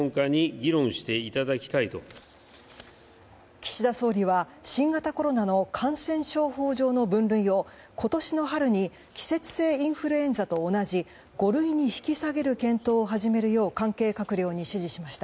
岸田総理は新型コロナの感染症法上の分類を季節性インフルエンザと同じ五類に引き下げる検討を始めるよう関係閣僚に指示しました。